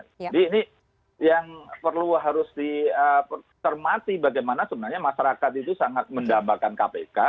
jadi ini yang perlu harus disermati bagaimana sebenarnya masyarakat itu sangat mendambakan kpk